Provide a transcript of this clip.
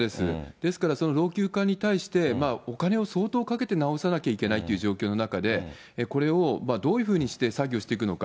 ですから、その老朽化に対して、お金を相当かけて直さなきゃいけないという状況の中で、これをどういうふうにして作業していくのか。